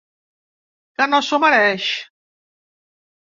Que no s’ho mereix?